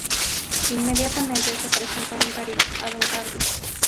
Inmediatamente se presentó en París a Don Carlos.